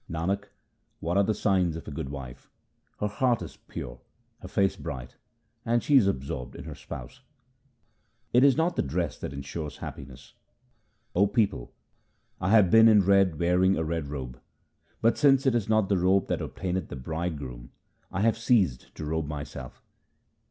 Nanak, what are the signs of a good wife ? Her heart is pure, her face bright, and she is absorbed in her spouse. It is not the dress that ensures happiness :— O people, I have been in red, wearing a red robe, But, since it is not the robe that obtaineth the Bride groom, I have ceased to robe myself.